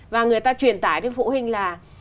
và người ta truyền tải cho phụ huynh là